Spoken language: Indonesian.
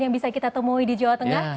yang bisa kita temui di jawa tengah